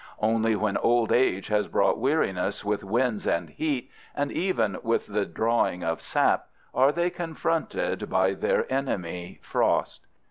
Only when old age has brought weariness with winds and heat, and even with the drawing of sap, are they confronted by their enemy, frost.